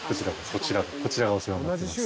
こちらこそお世話になってます。